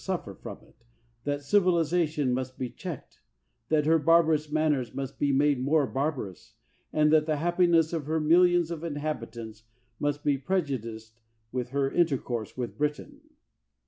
60 WILBERFORCE suffer from it ; that civilization must be checked ; that her barbarous manners must be made more barbarous; and that the happiness of her millions of inhabitants must be prejudiced with her intercourse with Britain?